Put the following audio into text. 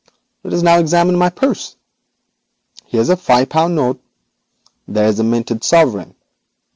Let us now examine my purse. Here is a five pound note; there is a golden sovereign.